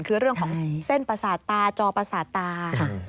คือเรื่องของเส้นประสาทตาจอประสาทตา